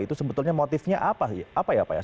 itu sebetulnya motifnya apa ya pak